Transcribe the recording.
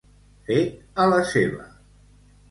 Fet a la seva.